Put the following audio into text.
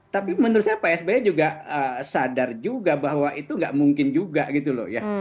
tapi menurut saya pak sby juga sadar juga bahwa itu nggak mungkin juga gitu loh ya